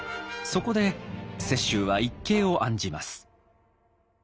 そこで雪舟は一計を案じます。